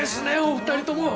お二人とも。